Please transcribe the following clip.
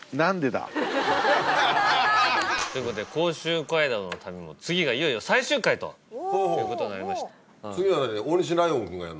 ハハハハ！ということで甲州街道の旅も次がいよいよ最終回ということになりました。